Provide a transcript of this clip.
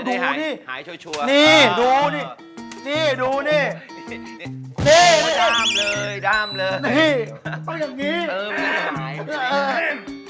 ดามล่ะดามเลยดามเลย